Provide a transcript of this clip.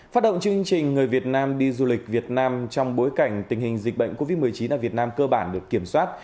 phát động chương trình người việt nam đi du lịch việt nam trong bối cảnh tình hình dịch bệnh covid một mươi chín ở việt nam cơ bản được kiểm soát